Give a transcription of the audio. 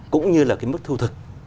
cũng như là cái mức thu thực